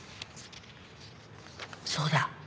そうだ。